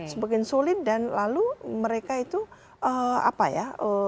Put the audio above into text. semakin solid dan lalu mereka itu apa ya